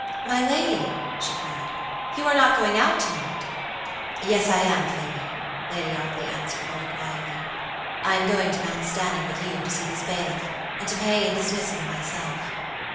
"My lady," she cried, "you are not going out to night?" "Yes, I am, Phoebe," Lady Audley answered, very quietly. "I am going to Mount Stanning with you to see this bailiff, and to pay and dismiss him myself."